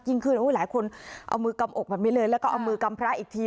ยิ่งขึ้นหลายคนเอามือกำอกแบบนี้เลยแล้วก็เอามือกำพระอีกที